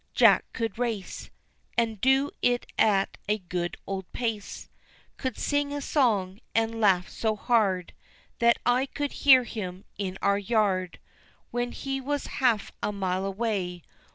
Jack could race, And do it at a good old pace, Could sing a song, an' laugh so hard That I could hear him in our yard When he was half a mile away.